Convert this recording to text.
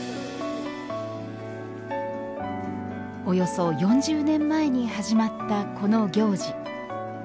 およそ４０年前に始まったこの行事。